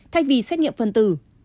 thay vì xét nghiệm phân tử